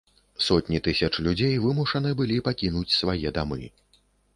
Сотні тысяч людзей вымушаны былі пакінуць свае дамы.